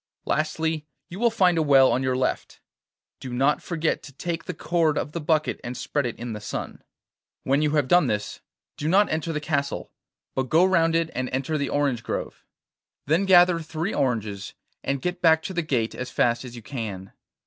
Lastly, you will find a well on your left; do not forget to take the cord of the bucket and spread it in the sun. When you have done this, do not enter the castle, but go round it and enter the orange grove. Then gather three oranges, and get back to the gate as fast as you can.